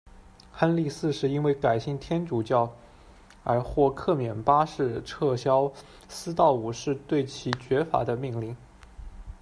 亨利四世因为改信天主教而获克勉八世撤销思道五世对其绝罚的命令。